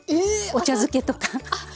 お茶漬けとか。